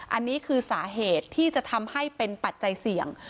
อันนี้คือสาเหตุที่จะทำให้เป็นปัจจัยเสี่ยง